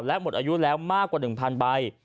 และหมดอายุแล้วมากกว่า๑๐๐ใบ